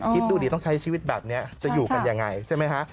คิดดูดิต้องใช้ชีวิตแบบนี้จะอยู่กันยังไงใช่ไหมฮะ